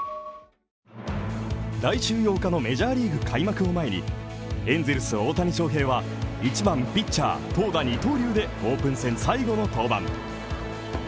来週８日のメジャーリーグ開幕を前に、エンゼルス・大谷翔平は１番・ピッチャー、投打二刀流でオープン戦最後の登板。